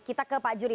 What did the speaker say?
kita ke pak juri